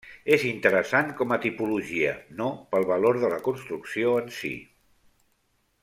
És interessant com a tipologia, no pel valor de la construcció en si.